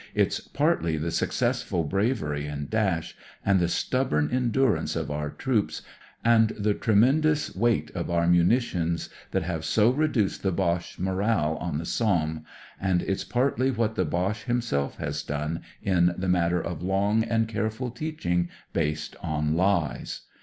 It's partly the successful bravery and dash, and the THE MORAL OF THE BOCHE 47 stubborn endurance of our troops, and the tremendous weight of our munitions, that have so reduced the Boche moral on the Somme, and it's partly what the Boche himself has done, in the matter of long and careful teaching based on Ues.